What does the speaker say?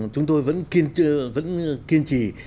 chúng tôi vẫn kiên trì